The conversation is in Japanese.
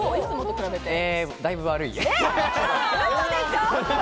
だいぶ悪い。